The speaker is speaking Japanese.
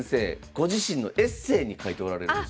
ご自身のエッセーに書いておられるんですよ。